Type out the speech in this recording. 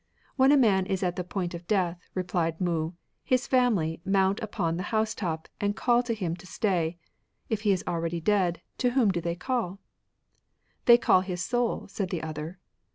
" When a man is at the point of death, repUed Mou, his family mount upon the house top and call to him to stay. If he is already dead, to whom do they caU ? ''They call his soul, said the other.